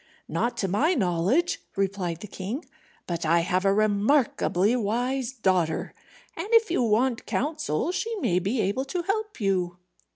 "Not to my knowledge," replied the king. "But I have a remarkably wise daughter, and if you want counsel she may be able to help you."